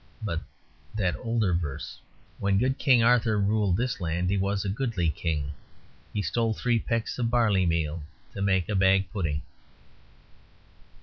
But that older verse When good King Arthur ruled this land He was a goodly King He stole three pecks of barley meal To make a bag pudding.